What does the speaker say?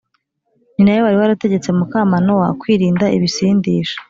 . Ni na we wari warategetse muka Manowa kwirinda ibisindisha